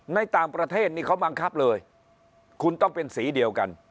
ในต่างประเทศนี่เขาบังคับเลยคุณต้องเป็นสีเดียวกัน